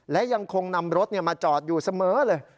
และยังคงนำรถมาจอดอยู่เสมอเลย